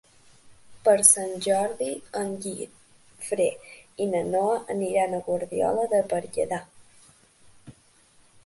Per Sant Jordi en Guifré i na Noa aniran a Guardiola de Berguedà.